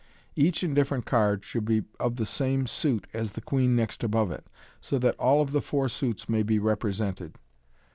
Each indifferent card should be of the same suit as the queen next above it, so that all of the four suits may be represented.